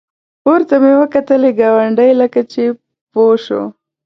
پورته مې وکتلې ګاونډی لکه چې پوه شو.